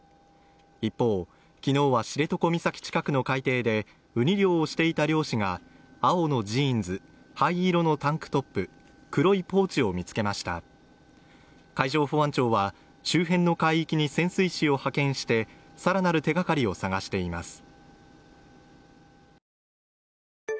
一方きのうは知床岬近くの海底でウニ漁をしていた漁師が青のジーンズ灰色のタンクトップ黒いポーチを見つけました海上保安庁は周辺の海域に潜水士を派遣してさらなる手がかりを探しています